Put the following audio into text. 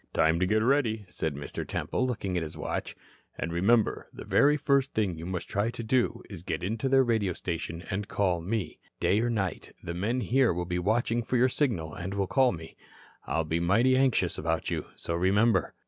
"Time to get ready," said Mr. Temple, looking at his watch. "And, remember, the very first thing you must try to do is to get into their radio station and call me. Day or night, the men here will be watching for your signal and will call me. I'll be mighty anxious about you. So remember."